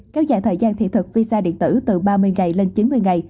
kéo dài thời gian thị thực visa điện tử từ ba mươi ngày lên chín mươi ngày